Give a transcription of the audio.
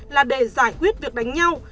là để giải quyết việc đánh nhau